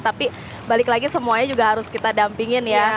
tapi balik lagi semuanya juga harus kita dampingin ya